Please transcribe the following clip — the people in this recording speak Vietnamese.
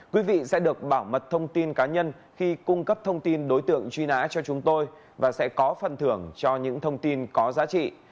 quý vị sẽ được bảo mật thông tin cá nhân khi cung cấp thông tin đối tượng truy nã cho chúng tôi và sẽ có phần thưởng cho những thông tin có giá trị